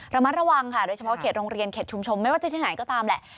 ระมัดระวังค่ะโดยเฉพาะเขตโรงเรียนเขตชุมชนไม่ว่าจะที่ไหนก็ตามแหละ